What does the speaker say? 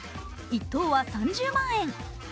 １等は３０万円。